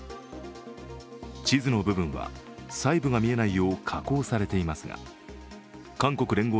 地図の部分は細部が見えないよう加工されていますが韓国聯合